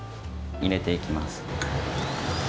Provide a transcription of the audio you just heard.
入れていきます。